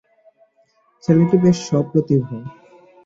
ছেলেটি বেশ সপ্রতিভ।